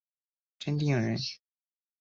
真定人。